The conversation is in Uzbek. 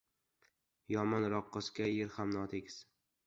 • Yomon raqqosga yer ham notekis.